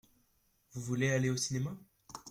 Vous voulez aller au cinéma ?